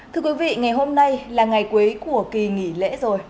thưa quý vị ngày hôm nay là ngày cuối của kỳ nghỉ lễ rồi